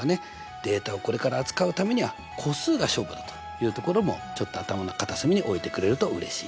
データをこれから扱うためには個数が勝負だというところもちょっと頭の片隅に置いてくれるとうれしいですね。